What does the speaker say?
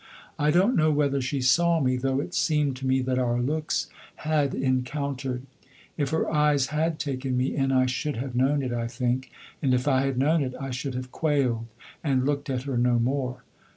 I don't know whether she saw me, though it seemed to me that our looks had encountered. If her eyes had taken me in I should have known it, I think; and if I had known it I should have quailed and looked at her no more.